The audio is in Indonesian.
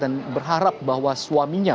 dan berharap bahwa suaminya